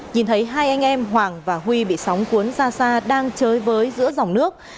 nhìn thấy hai anh em hoàng và huy bị sóng cuốn ra xa đang chơi với giữa dòng nước